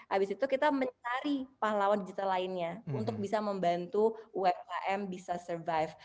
abis itu kita mencari pahlawan digital lainnya untuk bisa membantu umkm bisa survive